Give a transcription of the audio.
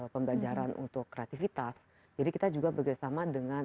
pembelajaran untuk kreativitas jadi kita juga bekerjasama dengan